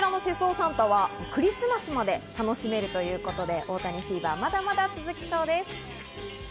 サンタはクリスマスまで楽しめるということで大谷フィーバー、まだまだ続きそうです。